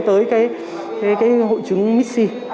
tới hội chứng mixi